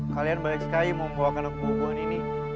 kalian baik sekali membawakan aku hubungan ini